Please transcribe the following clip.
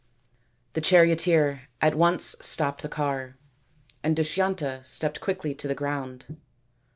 The charioteer at once stopped the car, and Dushyanta stepped quickly to the ground.